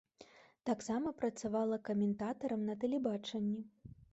Таксама працавала каментатарам на тэлебачанні.